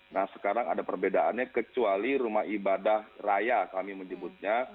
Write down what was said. nah sekarang ada perbedaannya kecuali rumah ibadah raya kami menyebutnya